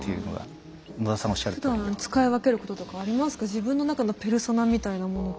自分の中のペルソナみたいなものって。